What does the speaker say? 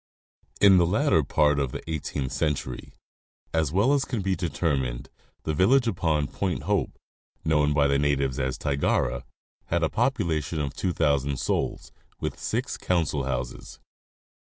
In the. latter part of the eighteenth century, as well as can be deter mined, the village upon Point Hope, known by the natives as Tigara, had a population of 2,000 souls, with six council houses.